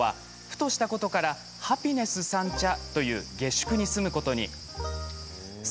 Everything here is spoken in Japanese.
ふとしたことから、ハピネス三茶という下宿に住むことになり